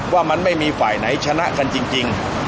ว่ามันไม่มีฝ่ายไหนชนะกันจริง